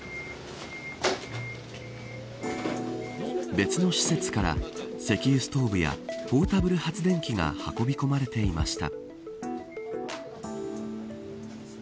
別の施設から、石油ストーブやポータブル発電機が運び込まれていました。